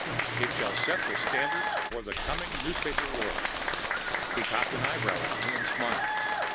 It shall set the standards for the coming newspaper world." He cocked an eyebrow at me and smiled.